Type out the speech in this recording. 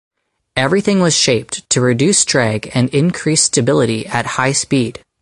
Everything was shaped to reduce drag and increase stability at high speed.